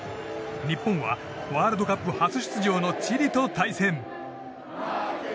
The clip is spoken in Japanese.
日本はワールドカップ初出場のチリと対戦。